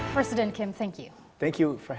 presiden kim terima kasih